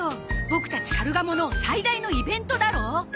ボクたちカルガモの最大のイベントだろ！